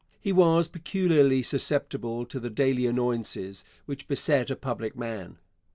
He was peculiarly susceptible to the daily annoyances which beset a public man.